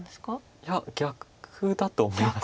いや逆だと思います。